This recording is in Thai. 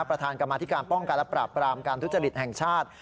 ประธานกรรมาธิการป้องกันและปราบปรามการทุจริตแห่งชาติ